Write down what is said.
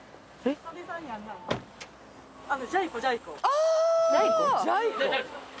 ああ。